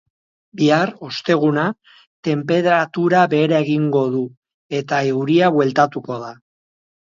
Bihar, osteguna, tenperatura behera egingo du eta euria bueltatuko da.